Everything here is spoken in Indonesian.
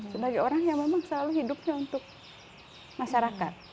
sebagai orang yang memang selalu hidupnya untuk masyarakat